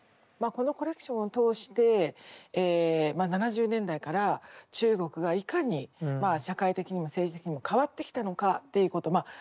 まあこのコレクションを通して７０年代から中国がいかにまあ社会的にも政治的にも変わってきたのかっていうこと